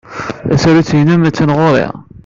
Tasarut-nnem attan ɣur-i.